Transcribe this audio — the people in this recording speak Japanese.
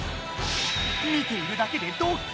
見ているだけでドッキドキ！